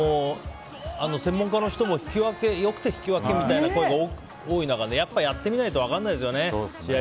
専門家の人も良くて引き分けみたいな声が多い中で、やってみないと分からないですよね。